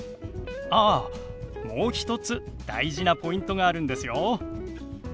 あっもう一つ大事なポイントがあるんですよ。